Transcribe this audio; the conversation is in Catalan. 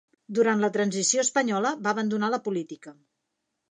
Durant la transició espanyola va abandonar la política.